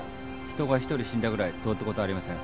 人が１人死んだぐらいどうってことありません